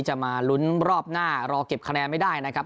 มาลุ้นรอบหน้ารอเก็บคะแนนไม่ได้นะครับ